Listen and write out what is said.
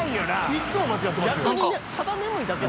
いつも間違ってますよ。